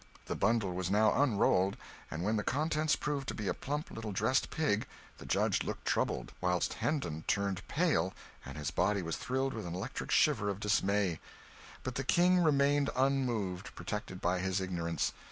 The bundle was now unrolled, and when the contents proved to be a plump little dressed pig, the judge looked troubled, whilst Hendon turned pale, and his body was thrilled with an electric shiver of dismay; but the King remained unmoved, protected by his ignorance.